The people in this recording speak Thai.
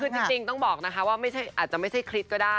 คือจริงต้องบอกนะคะว่าอาจจะไม่ใช่คลิปก็ได้